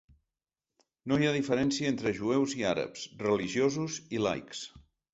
No hi ha diferència entre jueus i àrabs, religiosos i laics.